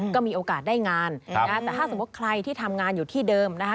ก็มีโอกาสได้งานแต่ถ้าสมมุติใครที่ทำงานอยู่ที่เดิมนะคะ